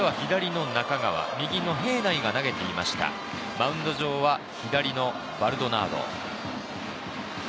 マウンド上、バルドナード。